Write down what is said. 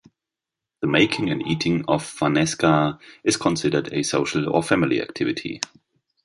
The making and eating of fanesca is considered a social or family activity.